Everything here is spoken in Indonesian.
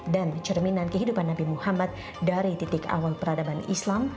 dan cerminan kehidupan nabi muhammad dari titik awal peradaban islam